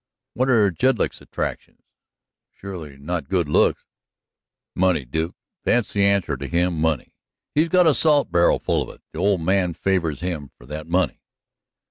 "What are Jedlick's attractions? Surely not good looks." "Money, Duke; that's the answer to him money. He's got a salt barrel full of it; the old man favors him for that money."